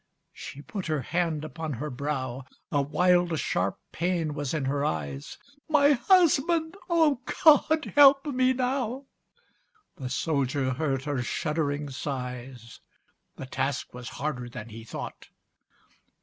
She put her hand upon her brow; A wild, sharp pain was in her eyes. "My husband! Oh, God, help me now!" The soldier heard her shuddering sighs. The task was harder than he thought.